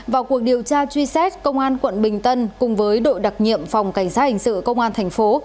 vào cuộc điều tra truy xét công an quận bình tân cùng với đội đặc nhiệm phòng cảnh sát hình sự công an thành phố